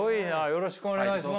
よろしくお願いします。